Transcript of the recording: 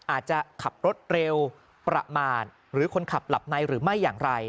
อาจจะขับรถเร็วประมาทหรือคนขับหลับในหรือไม่อย่างไร